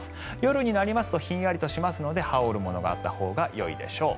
夜になりますとひんやりしますので羽織るものがあるほうがいいでしょう。